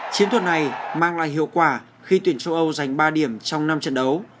chiến thuật này mang lại hiệu quả khi tuyển châu âu giành ba điểm trong năm trận đấu